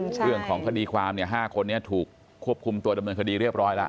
เรื่องของคดีความ๕คนนี้ถูกควบคุมตัวดำเนินคดีเรียบร้อยแล้ว